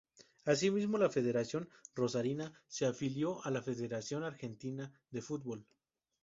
Asimismo, la Federación rosarina se afilió a la Federación Argentina de Football.